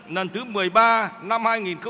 lần thứ một mươi ba năm hai nghìn hai mươi